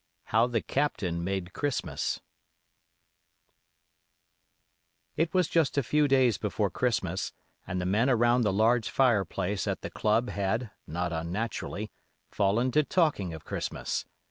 HOW THE CAPTAIN MADE CHRISTMAS It was just a few days before Christmas, and the men around the large fireplace at the club had, not unnaturally, fallen to talking of Christmas.